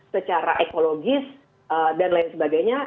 secara ekologis dan lain sebagainya